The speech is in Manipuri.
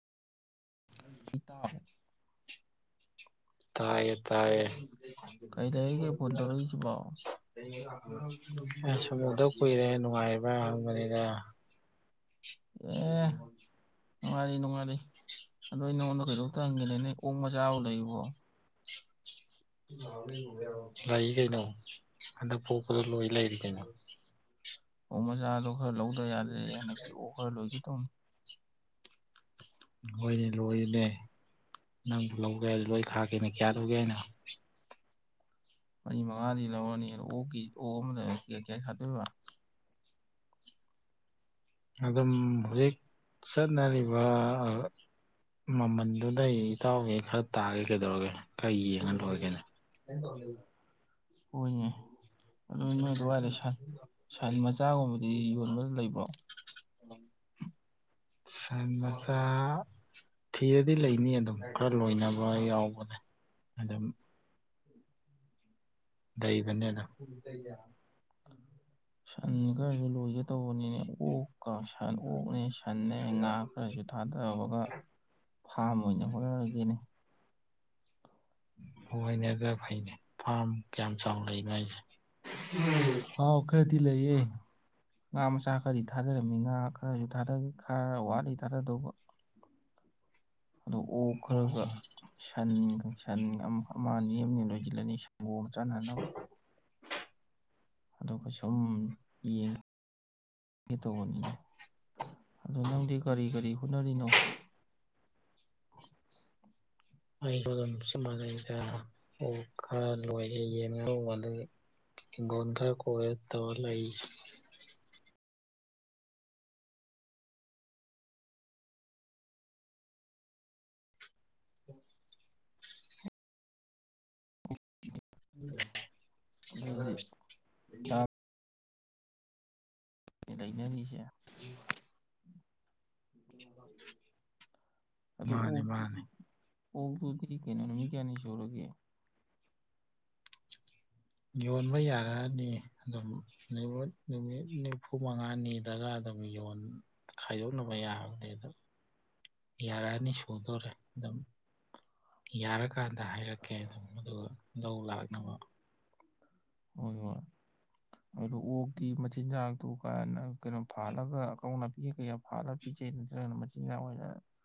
[unintelligible] ꯇꯥꯏꯌꯦ ꯇꯥꯏꯌꯦ ꯁꯨꯝ ꯎꯗꯥ ꯀꯨꯏꯔꯦ ꯅꯨꯡꯉꯥꯏꯔꯤꯕ꯭ꯔ ꯍꯪꯕꯅꯤ [unintelligible] [inaudible] [inaudible] ꯂꯩ ꯀꯩꯅꯣ꯫ ꯍꯟꯗꯛ ꯄꯣꯛ [unintelligible] ꯂꯣꯏ ꯂꯩꯔꯤ ꯀꯩꯅꯣ꯫ ꯑꯣꯛ ꯃꯆꯥꯗꯣ ꯈꯔ ꯂꯧꯗ ꯌꯥꯗ꯭ꯔꯦ ꯍꯟꯗꯛꯇꯤ ꯑꯣꯛ ꯈꯔ ꯂꯣꯏꯒꯦ ꯇꯧꯅꯤ꯫ ꯍꯣꯏꯅꯦ ꯂꯣꯏꯌꯨꯅꯦ꯫ ꯅꯪꯕꯨ ꯂꯧꯒꯦ ꯍꯥꯏ ꯂꯣꯏ ꯊꯥꯒꯦꯅꯦ ꯀꯌꯥ ꯂꯧꯒꯦ ꯍꯥꯏꯅꯣ ꯃꯔꯤ ꯃꯉꯥꯗꯤ ꯂꯧꯔꯅꯤ ꯑꯣꯛꯀꯤ ꯑꯣꯛ ꯑꯃꯗꯅ ꯀꯌꯥ ꯀꯌꯥ ꯁꯥꯗꯣꯏꯕ ꯑꯗꯨꯝ ꯍꯨꯖꯤꯛ ꯆꯠꯅꯔꯤꯕ ꯃꯃꯜꯗꯨꯗꯩ ꯏꯇꯥꯎꯒꯤ ꯈꯔ ꯇꯥꯒꯦ ꯀꯩꯗꯧꯔꯒꯦ ꯈꯔ ꯌꯦꯡꯉ ꯂꯣꯏꯔꯦ ꯀꯩꯅꯣ꯫ ꯍꯣꯏꯅꯦ ꯑꯗꯨ ꯅꯣꯏ ꯑꯗꯨꯋꯥꯏꯗ ꯁꯟ ꯁꯟ ꯃꯆꯥꯒꯨꯝꯕꯗꯤ ꯌꯣꯟꯕꯗꯨꯝ ꯂꯩꯕ꯭ꯔꯣ ꯁꯟꯃꯆꯥꯥ ꯊꯤꯔꯗꯤ ꯂꯩꯅꯤ ꯑꯗꯨꯝ ꯈꯔ ꯂꯣꯏꯅꯕ ꯌꯥꯎꯕꯅꯦ꯫ ꯑꯗꯨꯝ ꯁꯟ ꯈꯔꯖꯨ ꯂꯣꯏꯒꯦ ꯇꯧꯕꯅꯤꯅꯦ ꯑꯣꯛꯀ ꯁꯥꯏ ꯑꯣꯛꯅꯦ ꯁꯟꯅꯦ ꯉꯥ ꯈꯔꯁꯨ ꯊꯥꯗꯕꯒ ꯐꯥꯝ ꯑꯣꯏꯅ ꯍꯣꯠꯅꯔꯒꯦꯅꯦ꯫ ꯍꯣꯏꯅꯦ ꯑꯗ ꯐꯩꯅꯦ ꯐꯥ ꯀꯌꯥꯝ ꯆꯥꯎꯅ ꯂꯩꯕ ꯍꯥꯏꯖꯦ ꯏꯝ ꯑꯧꯎ ꯈꯔꯗꯤ ꯂꯩꯌꯦ ꯉꯥ ꯃꯆꯥ ꯈꯔꯗꯤ ꯊꯥꯗꯔꯝꯃꯤ ꯉꯥ ꯈꯔꯁꯨ ꯊꯥꯗꯔꯤ ꯈꯔ ꯋꯥꯠꯂꯤꯇꯥꯗꯗꯧꯕ ꯑꯗꯨ ꯑꯣꯛ ꯈꯔꯒ ꯁꯟ ꯁꯟ ꯑꯃ ꯑꯅꯤ ꯑꯃꯅꯤ ꯂꯣꯏꯁꯤꯜꯂꯅꯤ ꯁꯪꯒꯣꯝ ꯆꯥꯅꯅꯕ ꯑꯗꯨꯒ ꯁꯨꯝ ꯌꯦꯡ ꯌꯦꯡꯒꯦ ꯇꯧꯕꯅꯤꯅꯦ ꯑꯗꯣ ꯅꯪꯗꯤ ꯀꯔꯤ ꯀꯔꯤ ꯍꯣꯠꯅꯔꯤꯅꯣ ꯑꯩ ꯕꯔꯝꯁꯨ ꯃꯥꯟꯅꯩꯗ ꯑꯣꯛ ꯈꯔ ꯂꯣꯏꯔꯦ ꯌꯦꯟ ꯉꯥꯅꯨ [unintelligible] ꯍꯤꯡꯒꯣꯟ ꯈꯔ ꯀꯣꯏꯔ ꯇꯧꯔ ꯂꯩ꯫ ꯑꯗꯨꯗꯤ ꯗꯥ ꯂꯩꯅꯅꯤꯁꯦ ꯑꯗꯨ ꯑꯣꯛ ꯑꯣꯛꯇꯨꯗꯤ ꯀꯩꯅꯣ ꯅꯨꯃꯤꯠ ꯀꯌꯥꯅꯤ ꯁꯨꯔꯒꯦ ꯌꯣꯟꯕ ꯌꯥꯔꯛꯑꯅꯤ꯫ ꯑꯗꯨꯅꯥꯕ‌ꯨ [unintelligible] ꯅꯤꯐꯨ ꯃꯉꯥ ꯅꯤꯗꯒ ꯑꯗꯨꯝ ꯌꯣꯟ ꯈꯥꯏꯗꯣꯛꯅꯕ ꯌꯥꯕꯅꯤ ꯑꯗꯨꯝ ꯌꯥꯔꯛꯑꯅꯤ ꯁꯨꯗꯣꯔꯦ ꯗꯝ ꯌꯥꯔꯀꯥꯟꯗ ꯍꯥꯏꯔꯛꯀꯦ ꯑꯗꯨꯝ ꯑꯗꯨ ꯂꯧ ꯂꯥꯛꯅꯕ ꯍꯣꯏ ꯍꯣꯏ ꯑꯗꯨ ꯑꯣꯛꯇꯤ ꯃꯆꯤꯟꯖꯥꯛꯇꯨ ꯀꯅꯥꯅ ꯈꯔ ꯐꯥꯜꯂꯒ ꯀꯕꯣꯡ ꯅꯥꯄꯤ ꯏꯒ ꯌꯥꯝ ꯐꯥꯜꯂꯒ ꯄꯤꯖꯩ ꯅꯠꯇ꯭ꯔꯒꯅ ꯃꯆꯤ ꯅ ꯑꯣꯏꯅ